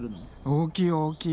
大きい大きい。